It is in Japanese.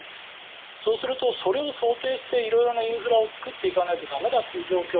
そうするとそれを想定して色々なインフラを作っていかないと駄目だという状況。